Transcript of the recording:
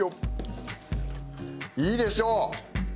いいでしょう！